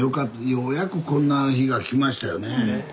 ようやくこんな日が来ましたよね。